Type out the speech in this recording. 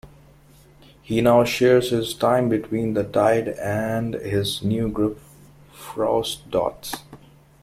He now shares his time between The Tyde and his new group Frausdots.